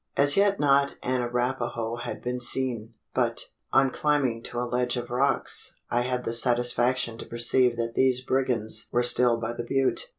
As yet not an Arapaho had been seen: but, on climbing to a ledge of rocks, I had the satisfaction to perceive that these brigands were still by the butte.